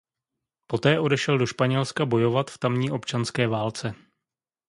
Poté odešel do Španělska bojovat v tamní občanské válce.